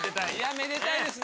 めでたいですね